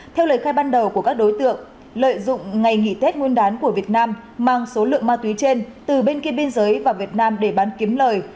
theo lời khai ban đầu của các đối tượng lợi dụng ngày nghỉ tết nguyên đán của việt nam mang số lượng ma túy trên từ bên kia biên giới vào việt nam để bán kiếm lời